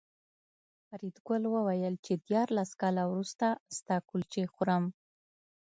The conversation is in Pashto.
فریدګل وویل چې دیارلس کاله وروسته ستا کلچې خورم